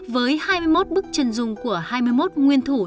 với hai mươi một bức chân dùng của hai mươi một nguyên thủ